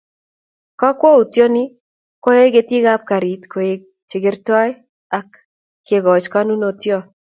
Kokwoutioni koyoei ketikab garit koek che kertoi ak kekoch konunotoi